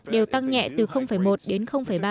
đều tăng nhẹ từ một đến ba